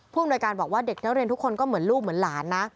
อำนวยการบอกว่าเด็กนักเรียนทุกคนก็เหมือนลูกเหมือนหลานนะ